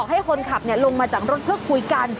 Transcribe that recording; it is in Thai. ให้คนขับลงมาจากรถเพื่อคุยกัน